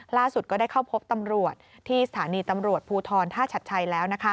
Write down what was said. ล่าสุดก็ได้เข้าพบตำรวจที่สถานีตำรวจภูทรถ้าชัดใช้แล้ว